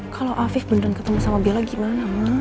kalau afif beneran ketemu sama bella gimana